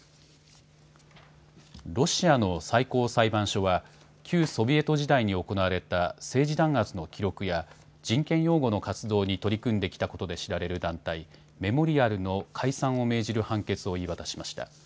ロシアの最高裁判所は、旧ソビエト時代に行われた政治弾圧の記録や、人権擁護の活動に取り組んできたことで知られる団体、メモリアルの解散を命じる判決を言い渡しました。